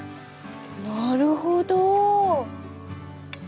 なるほど。